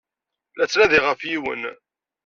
La ttnadiɣ ɣef yiwen.